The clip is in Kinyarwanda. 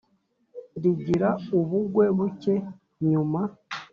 rigira ubugwe buke nyuma,